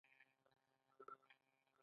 د شاه فولادي څوکه په بابا غر کې ده